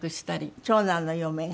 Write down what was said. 長男の嫁が？